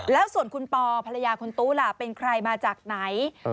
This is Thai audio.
แล้วส่วนคุณปอภรรยาคุณตู้ล่ะเป็นใครมาจากไหน